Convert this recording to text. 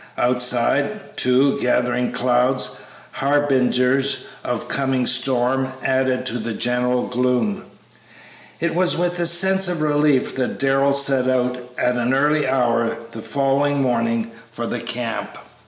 Outside, too, gathering clouds, harbingers of coming storm, added to the general gloom. It was with a sense of relief that Darrell set out at an early hour the following morning for the camp.